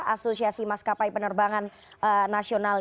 asosiasi maskapai penerbangan nasional